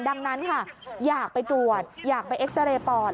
ดังนั้นค่ะอยากไปตรวจอยากไปเอ็กซาเรย์ปอด